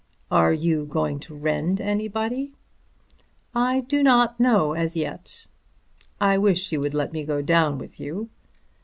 "Are you going to rend anybody?" "I do not know as yet." "I wish you would let me go down with you."